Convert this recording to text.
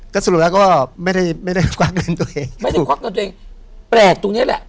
ก็สรุปแล้วก็ไม่ได้ไม่ได้ควักเงินตัวเองไม่ได้ควักเงินตัวเองแปลกตรงเนี้ยแหละ